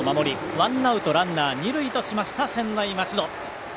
ワンアウト、ランナー二塁としました専大松戸。